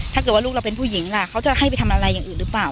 ถ้าเกิดว่าลูกเราเป็นผู้หญิงล่ะเขาจะให้ไปทำอะไรอย่างอื่นหรือเปล่า